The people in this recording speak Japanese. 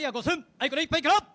はいこれ一杯から。